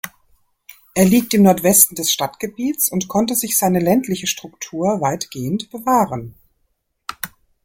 Er liegt im Nordwesten des Stadtgebiets und konnte sich seine ländliche Struktur weitgehend bewahren.